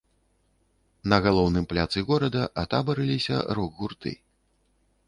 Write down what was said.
На галоўным пляцы горада атабарылася рок-гурты.